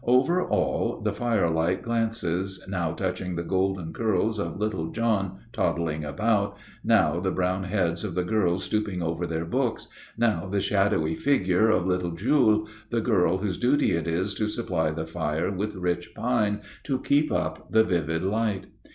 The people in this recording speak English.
Over all the firelight glances, now touching the golden curls of little John toddling about, now the brown heads of the girls stooping over their books, now the shadowy figure of little Jule, the girl whose duty it is to supply the fire with rich pine to keep up the vivid light.